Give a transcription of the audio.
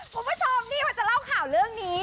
คุณผู้ชมนี่พอจะเล่าข่าวเรื่องนี้